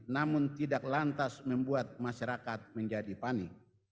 namun tidak lantas membuat masyarakat menjadi panik